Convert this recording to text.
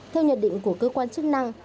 theo nhận định của cơ quan chức năng